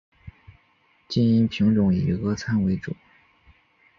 经营品种以俄餐为主。